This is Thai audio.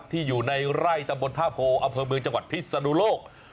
ที่อยู่ในไร่ตะโบนทะโพอำเภอเมืองจังหวัดพิทธิ์สนุโลก